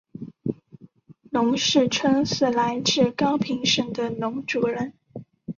农氏春是来自高平省的侬族人。